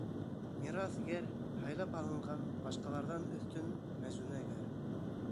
Мирас ғәр. — һайлап алынған, башҡаларҙан өҫтөн Мәзүнә ғәр.